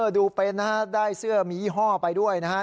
ดูเป็นนะฮะได้เสื้อมียี่ห้อไปด้วยนะฮะ